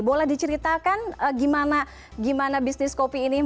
boleh diceritakan gimana bisnis kopi ini